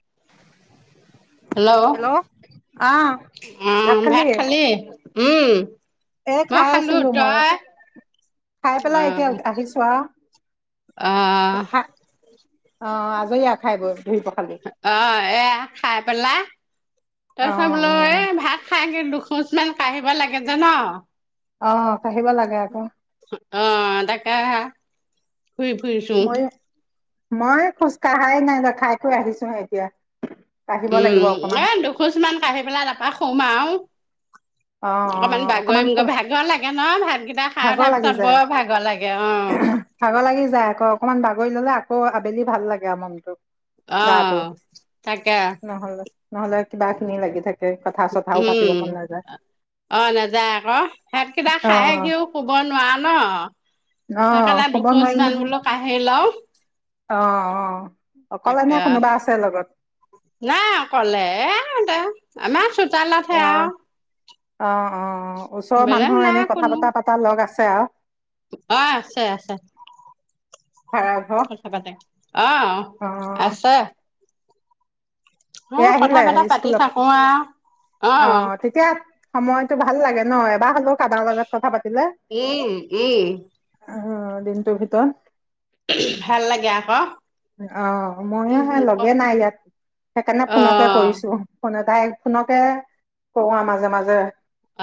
[unintelligible] Hello অ' আহ ভাত খালি উম'। এ মই খাই খালো আছিলো মই। তই খাই অ পেলাই এতিয়া আহিছো আৰু, অ খা অ' আজৰি আৰু খাই বৈ। ধুই পখালি অ' এয়া খাই পেলাই, অ তাৰপিছত বোলো এ ভাত খাই দুখোজ মান কাঢ়িব লাগে জান। অ'। কাঢ়িব লাগে আকৌ অ' তাকে আহা ফুৰি ফুৰিছো। মই মই খোজ কঢ়াই নাই ৰ', খাই কৈ আহিছো এতিয়া। কাঢ়িব লাগিব উম, অকমান এ দুখোজ মান কাঢ়ি পেলাই তাপা শুম আৰু। অ অ অকমান বাগৰিম গৈ ভাগৰ লাগে ন' ভাতকেইটা খাই ভাগৰ উঠাৰ লাগি পিছত যায় বৰ ভাগৰ লাগে অ'। ভাগৰ লাগি যায় আকৌ অকমান বাগৰি ল'লে আকৌ আবেলি ভাল লাগে আৰু মনটো। অ গাটো, তাকে নহ'লে নহ'লে কিবা খিনি লাগি থাকে, কথা চথাও উম পাতিব মন নাযায়। অ' নাযায় আকৌ ভাত কেইটা অ খাই উঠিও শুব নোৱাৰা ন'। অ সেই কাৰণে শুব দুখোজ নোৱাৰি মান নহয় বোলো কাঢ়ি লওঁ। অ', অ অকলে নে তাকে কোনোবা আছে লগত? নাই অকলে এ আমাৰ চোতালত অ হে আৰু। অ' অ' ওচৰৰ বেলেগ মানুহৰ নাই এনে কথা কোনো বতা পাতা লগ আছে আৰু। অ', আছে-আছে। ভাড়াঘৰ কথা পাতে, অ' আছে। অ এই কথা আহিলে পতা পাতি স্কুলৰ পৰা থাকো আৰু অ অহ তেতিয়া সময়তটো ভাল লাগে ন' এবাৰ হ'লেও কাৰোবাৰ লগত কথা পাতিলে। উম উম অ' দিনটোৰ ভিতৰত। ভাল লাগে আকৌ অহ ময়ো উম হে ক লগে নাই ইয়াত। সেইকাৰণে অ ফোনকে কৰিছো, ফোন এটা ফোনকে কৰো আৰু মাজে-মাজে।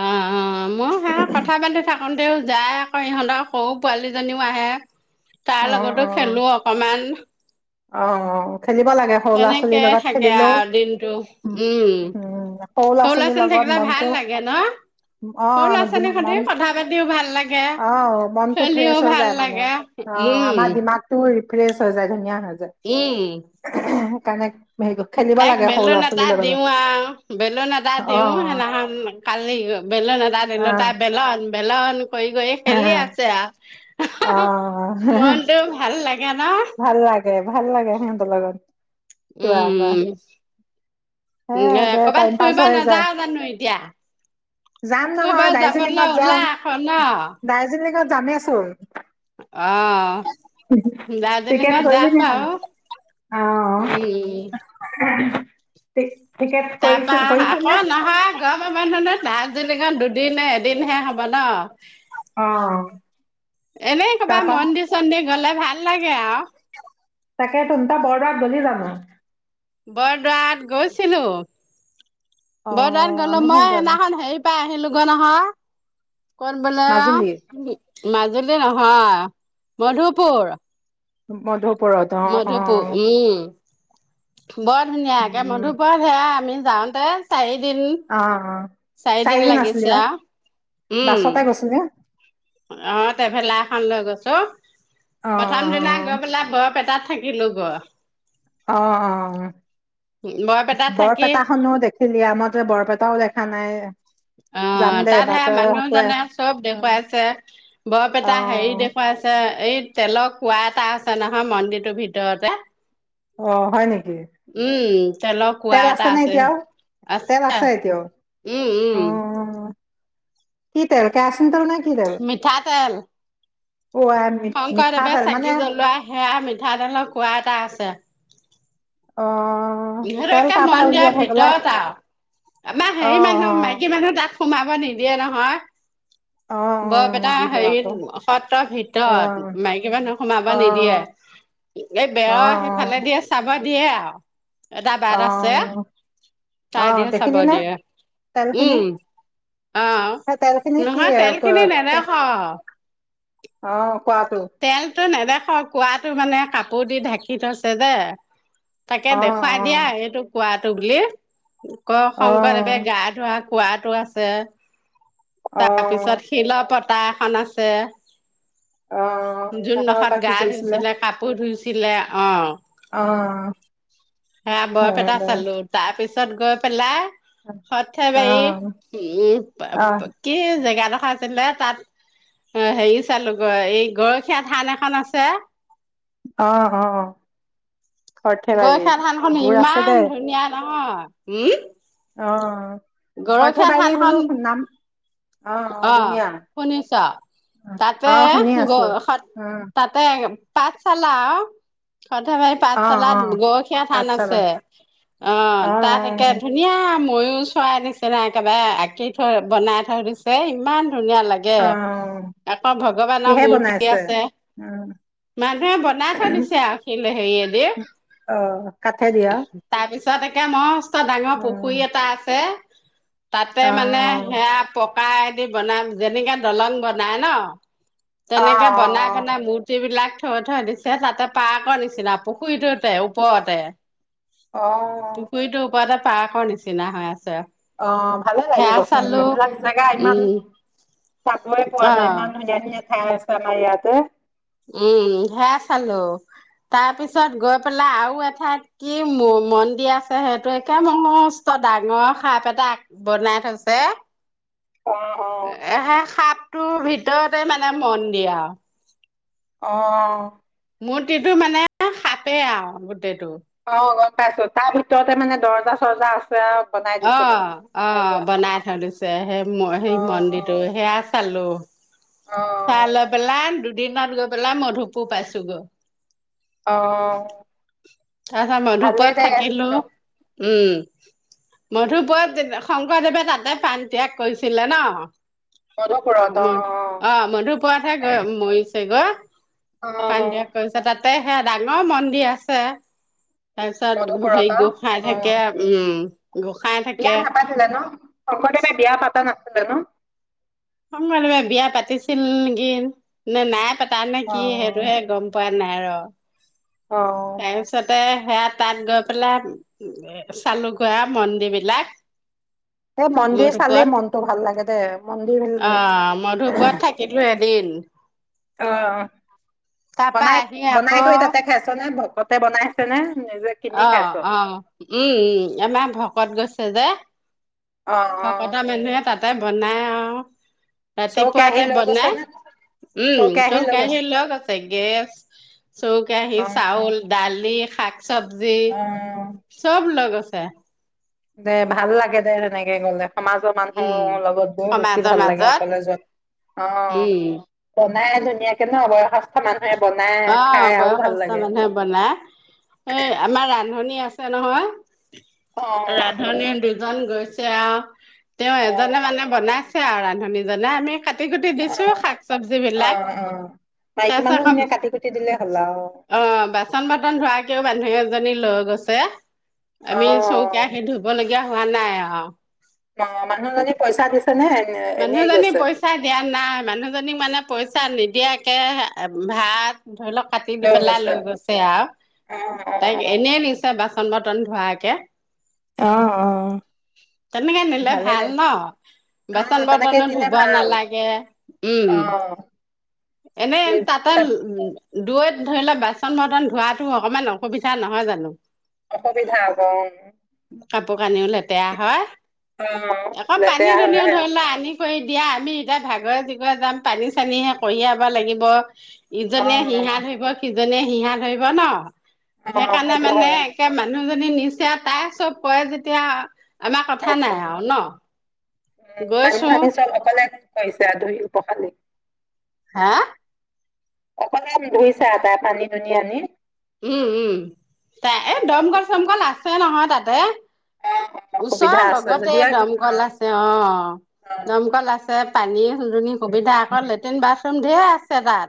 অ', -অ' মই হে কথা পাতি থাকো। সিহঁতেও যায় আকৌ ইহঁতক সৰু পোৱালিজনীও আহে। তাৰ অ লগতো খেলো অকমান। অ', -অ'। খেলিব লাগে, সৰু ল'ৰা-ছোৱালীৰ তেনেকেই লগত থাকে খেলিলো আৰু দিনটো উ' উম সৰু ল'ৰা-ছোৱালীৰ লগত। কিবা ভাল মনটো লাগে ন'। সৰু অ', ল'ৰা-ছোৱালীৰ দিম- সতি মন কথা পাতিও ভাল লাগে, অ', মনটো খেলিও ফ্ৰেছ হৈ ভাল যায় মানে। লাগে। অ' উম আমাৰ দিমাগটোও ৰিফ্ৰেছ হৈ যায়, ধুনীয়া হৈ যায় উম সেইকাৰণে হেৰি ক- খেলিব তাইক লাগে সৰু বেলুন ল'ৰা এটা ছোৱালীৰ লগত। দিও আও, বেলুন এটা দিও, অ', সে কালি বেলুন তাতল অ', তাই বেল [unintelligible] বেলন কৰি, কৰি খেলি আছে আৰু অ', মনতটো ভাল লাগে ন? ভাল লাগে, ভাল লাগে, সিহঁতৰ লগত। কিবা উম। এটা। হে উম, দে কবাত টাইম পাছ ফুৰিব হৈ যায়। নাযাও জানো এতিয়া? যাম ফুৰিব নহয়, যাবলৈ দাৰ্জিলিঙত ওলা যাম, আকৌ ন দাৰ্জিলিঙত যামেইচোন। আহ। টিকেট কৰিলিনে নাই অ উম [unintelligible] তে। তাৰপা আকৌ নহয় গৰমৰ মানুহ ন দাৰ্জিলিঙত দুদিনে দিনহে হ'ব ন? অ', এনেই কবা তাৰপা মন্দিৰ-চন্দিৰ গলে ভাল লাগে আৰু। তাকেটো তই বৰদোৱাত গলি জানো। [unintelligible] বৰদোৱাত গৈছিলো, অ বৰদোৱাত গলো আমিহে মই যোৱা নাই সেইদিনাখন হেৰি আহিলোগৈ নহয় গৈ পেলাই মাজুলী [unintelligible] মাজুলী নহয়, মধুপুৰ। মধুপুৰৰত অ, মধুপুৰ অ। উম বৰ ধুনীয়া একে উম মধুপুৰ সেয়া আমি যাওঁতে চাৰি অ, অ 'চাৰিদিন আছিলি আৰু উম বাছতে গৈছিলি? ত' অ প্ৰথম দিনা গৈ পেলাই বৰপেটাত থাকিলো গৈ। [unintelligible] অ, অ, বৰপেটাত অ। থাকি বৰপেটা খনো দেখিলি আমাৰ বৰপেটাও দেখা নাই। [unintelligible] যাম অ' দে তাত এবাৰ সে তই কৈ আছ। মানুহজনে চব দেখুৱাইছে, অ বৰপেটা হেৰি দেখুৱাইছে। এই তেলৰ কোৱা এটা আছে নহয় মন্দিৰটোৰ ভিতৰতে। অ, হয় নেকি? উম। তেলৰ কুঁৱা তেল এটা আছে নে এতিয়াও? তেল আছে এতিয়াও? উম, উম, অ' কি তেল কেআচিন তেল নে কি [unintelligible] মিঠা তেল। অ আই শংকৰদেৱে মিঠাতেল মানে চাকি জ্বলোৱা সেয়া মিঠাতেলৰ কুৱা এটা এটা আছে। অ এইবোৰ তেল একে তাৰ পৰা উলিয়াই মন্দিৰৰ থাকিলে ভিতৰত আৰু। আমাৰ অ হেৰি মানুহ অ মাইকী মানুহ তাক সোমাব নিদিয়ে নহয়। অ অ বৰপেটাৰ নিদিব আকৌ হেৰিত সত্ৰৰ অ ভিতৰত মাইকী মানুহ সোমাব অ নিদিয়ে। এ, অ বেৰ সেইফালে অ দিয়ে চাব দিয়ে আৰু, এটা অ বাট আছে। অ চ দিয়ে চাব দেখিলি নে দিয়ে তেল খিনি উম। [unintelligible] আহ সেই তেল খিনি কি নহয় অ তেল খিনি নেদেখা। অ, কোৱাটো। টো নেদেখ কুঁৱাটো মানে কাপোৰ দি ঢাকি থৈছে যে। তাকে অ অ দেখুৱাই দিয়া এইটো কোৱাটো বুলি। অ' অ শংকৰদেৱে গা ধোৱা কোৱাটো আছে। অ তাৰপিছত শিল পাত পতা এখন আছে। অ জুন সেইখনত দখত বা কি গা কৰিছিলে ধুইছিলে কাপোৰ ধুইছিলে অ' অ সেয়া হয় বৰপেটা দে চালো। তাৰপিছত, ত গৈ পেলাই, অ সথেবাৰী উম অ কি জেগাডখ আছিলে তাত হেৰি চালো এই ঘৰচীয়া ধান এখন আছে। আহ, অ। গৈ সৰ্থেবাৰী হে ধানখন দূৰ আছে ইমান দেই ধুনীয়া নহয় উম। অ, গৰখীয়া সৰ্থেবাৰী থানখন বোলো সুনাম অ, শুনিছা? তাতে অ শুনি গ আছো অ তাতে পাঠ চালা। সৰ্থেবাৰী অ অ পাঠশালাত গৰখীয়া থান পাঠশালা আছে। অ তাত একে ধুনীয়াম ময়ূৰ চৰাই নিচিনা একেবাৰে আঁকি থৈ বনাই থৈ দিছে ইমান। ধুনীয়া লাগে অ অ আকৌ ভগৱানৰ কিহে মূৰ্তি বনাইছে আছে। উম মানুহে বনাই থৈ দিছে আৰু সি হেৰিয় দি অ কাঠেদি আও তাৰপিছত একে মস্ত ডাঙৰ উম পুখুৰী এটা আছে। তাতে অ মানে সেইয়া পকায়েদি বনাওক, যেনেকে দলং বনাই ন। অ অ তেনেকে বনাই কেনে মূৰ্তিবিলাক থৈ থৈ দিছে তাতে পাৰ্কৰ নিচিনা পুখুৰীটোতে ওপৰতে। অ পুখুৰীটোৰ ওপৰতে পাৰ্কৰ নিচিনা হৈ আছে আৰু। অ ভালে লাগিবচোন এইবিলাক জেগা ইমান উম চাবই পোৱা অ নাই ইমান ধুনিয়া ধুনিয়া ঠাই আছে আমাৰ ইয়াটে উম সেয়া চালো। তাৰ পিছত গৈ পেলাই আৰু এঠাইত কি ম মন্দিৰ আছে সেইটো একে মস্ত ডাঙৰ সাপ এটাগ বনাই থৈছে। অ সেই সাপটোৰ ভিতৰতে মানে মনদি আও। অ। মূৰ্তিটো মানে সাপে আৰু গোটেইটো। অ গম পাইছো তাৰ ভিতৰতে মানে দৰ্জা চৰ্জা আছ অ অ বনাই থৈ দিছে সে সেই অ অ মন্দিৰটো সেয়া চালো। অ চাই লৈ পেলাই দুদিনত গৈ পেলাই মধুপুৰ পাইছো গৈ। অ সেইহে ভালেই মধুপাত দে থাকিলো। উম' মধুপুৰত শংকৰদেৱে তাতে প্ৰাণ ত্যাগ কৰিছিলে ন। মধুপুৰত অ ম অ মধুপুৰাতহে গ মৰিছে গৈ অ প্ৰাণ অ ত্যাগ কৰিছে তাতে সেয়া ডাঙৰ মন্দিৰ আছে। তাৰ পিছত মধুপুৰত হেই অ', গোহাঁই থাকে অ', উম। গোসাঁই বিয়া থাকে নাপাতিলে ন শংকৰদেৱে বিয়া পাতা নাছিলে ন শকৰদেবে বিয়া পাতিছিল নিকি নে নাই পাতা নে কি অ', সেইটোহে গম পোৱা নাই ৰ। অ', তাৰ পিছতে সেয়া তাত গৈ পেলাই চালো গৈ আও মন্দিৰ বিলাক। এই মন্দিৰ চালেই মনটো ভাল লাগে দে মন্দিৰ মধুপুৱত অ মধুপুৱত থাকিলো এ বিল অ বনাই আহি বনাই কৰি আকৌ তাতে খাইছনে ভকতে বনাইছেনে অহ অহ উম আমাৰ ভকত গৈছে যে অ', ভকত অ', মানুহে তাতে বনায় আও চৌকেৰাহী ৰাতিপুৱাতে লৈ গৈছে বনাই। নে? উম চৌকেৰাহী চব কেয়াহী গৈছে লৈ গৈছে গেছ অ', চৌও-কেৰাহী অ', চাউল দালি চব্জি অ', চব লৈ গৈছে। দে ভাল লাগে দে সেনেকে গলে। সমাজৰ উম, মানুহৰ লগত গৈ বেছি সমাজৰ ভাল লাগে মাজত, অকলে যোৱাতকে অ উম, বনাই ধুনীয়াকে ন বয় অ বয়সস্থ লাগে। মানুহে বনায় এই আমাৰ ৰান্ধনী আছে। নহয়, অ ৰান্ধনীৰ দুজন গৈছে আৰু। তেওঁ অ এজনে মানে বনাইছে আৰু ৰান্ধনীজনে এনে কাটি-কুটি দিছে শাক-চবজি অ বিলাক, অ মাইকী মানুহখিনিয়ে তাৰপিছত কাটি কুটি দিলে হ'ল আৰু অ বাচন বতন ধোৱা। তাকেও মানুহ এজনী লৈ গৈছে অ আমি চৌও-কেৰাহী ধুব লাগি কিয় হোৱা নাই আ। অঁ মানুহজনী পইচা দিছে। নে এনে এনেই মানুহজনী গৈছে পইচা দিয়া নাই মানুহ- জনীক মানে পইচা নিদিয়াকে ভাত- ধৰি লওক কাটি দি পেলাই লৈ গৈছে আও। অ অ তাইক এনেই নিছে বাচন বৰ্তন ধুৱাই - অ অ অ তেনেকে নিলে ভালে ভাল দে ন। অ বাচন তেনেকে বৰ্তনো দিলে ধুব ভাল নালাগে উম। অ এনেই নিজ তাতে- দৈত ধৰি লোৱা বাচন বৰ্তন ধোৱাতো অকমান অসুবিধা নহয় জানো। অসুবিধা হ'ব উমঁ। কাপোৰ কানিও লেতেৰা হয়, অঁ আকৌ পানী লেতেৰা হৈ দুনিও আহে। ধৰি লোৱা আনি কৰি দিয়া আমি এতিয়া ভাগৰে জোগৰে যাম পানী চানীহে কঢ়িয়াব লাগিব। অ ইজনে সিহা ধৰিব সিজনে সিহা ধৰিব ন। অ সেইকাৰণে সেইটো মানে হয় একে মানুহজন- নিচে আও তাই চব কয় যেতিয়া আমাৰ কথা নাই আও ন। উম পানী গৈছো চানী চব অকলে কৈছে আওঁ ধুই পখালি। হাঁ? অকমান ধুইছা তাই পানী দুনী আনি। উম উম তাই এ অ দমকল চমকল আছে নহয় তাতে। অ ওচৰ সুবিধা আছে লগতে যদি দমকল আছে অঁ। দমকল আছে পানী দুনী সুবিধা আকৌ লেট্ৰিন বাথৰুম- ধেই আছে তাত।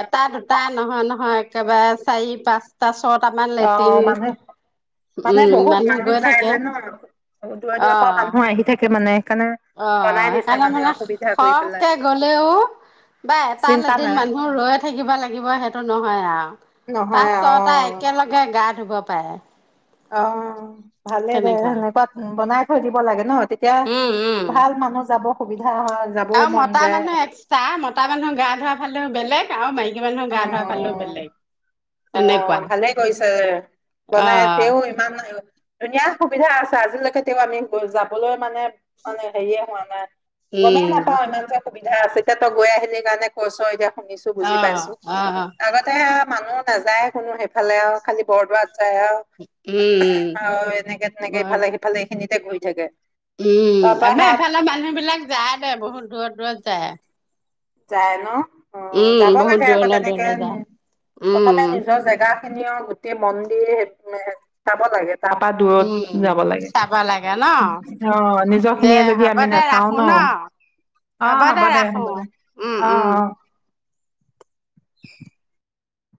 এটা দুটা নহয় নহয় একেবাৰে চাৰি পাঁচটা- ছটামান অ লেট্ৰিন মানুহ উম মানুহ গৈ থাকে। দূৰ দূৰৰ পৰা মানুহ আহি থাকে মানে। সেইকাৰণে অঁ বনাই দিছে সেইকাৰণে মানে আৰু সুবিধা কৰি পেলাই খহকে গ'লেও- বা এটা চিন্তা লেট্ৰিন নাই মানুহ ৰৈয়ে থাকিব লাগিব সেইটো নহয় আও। নহয় পাঁচ অ ছটা একেলগে গা ধুব পাৰে। অঁ ভালে দে তেনেকুৱা সেনেকুৱা বনাই থৈ দিব লাগে ন। তেতিয়া উম উম ভাল মানুহ যাব। সুবিধা হয় যাবও আৰু মন মতা যায় মানুহ এক্সট্ৰা। মতা মানুহ গা ধোৱা ফালেও বেলেগ আৰু মাইকী মানুহ গা ধোৱা ফালো বেলেগ। তেনেকুৱা অঁ ভালে কৰিছে অ বনাই তেওঁ ইমান- ধুনীয়া সুবিধা আছে আজিলৈকে তেওঁ আমি যাবলৈ মানে মানে হেৰিয়ে হোৱা নাই। গমেই উম নাপাও ইমান যে সুবিধা আছে। এতিয়া তই গৈ আহিলি কাৰণে কৈছ এতিয়া। শুনিছো অ বুজি পাইছো। অ আগতে মানুহ নাযায় কোনো সেইফালে আও খালি বৰদোৱাত- যাই আও উম এনেকে তেনেকে বৰ ইফালে সিফালে এইখিনিতে গৈ থাকে। উম তাৰ পৰা আমাৰ সেয়াত এফালে মানুহ বিলাক যায় দে বহুত দূৰত দূৰত যায়। যায় ন অঁ উম যাব বহুত লাগে আকৌ দূৰলৈ তেনেকে দূৰলৈ যায় উম প্ৰথমে নিজৰ জেগা- খিনিয় গোটেই মন্দিৰ চাব লাগে। তাৰপা দূৰত উম যাব লাগে। চাব লাগে ন অঁ নিজৰ খিনিয়ে যদি আমি নাচাওঁ ন। অঁ হব দে ৰাখো। উম অঁ উম অঁ। [unintelligible]